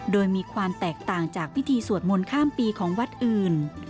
โดยมีความแตกต่างจากพิธีสวดมนต์ข้ามปีของวัดอื่น